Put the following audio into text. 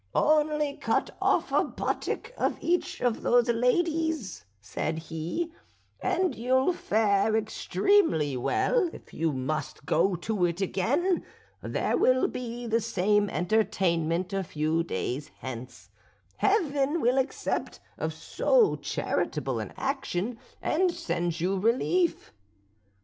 "'Only cut off a buttock of each of those ladies,' said he, 'and you'll fare extremely well; if you must go to it again, there will be the same entertainment a few days hence; heaven will accept of so charitable an action, and send you relief.'